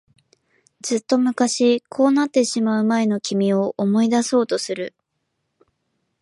ずっと昔、こうなってしまう前の君を思い出そうとする。